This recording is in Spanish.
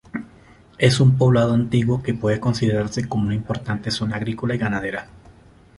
Es un poblado antiguo que puede considerarse como una importante zona agrícola y ganadera.